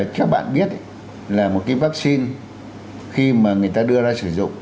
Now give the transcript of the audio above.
theo bạn biết là một cái vaccine khi mà người ta đưa ra sử dụng